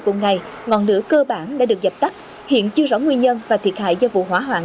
cùng ngày ngọn lửa cơ bản đã được dập tắt hiện chưa rõ nguyên nhân và thiệt hại do vụ hỏa hoạn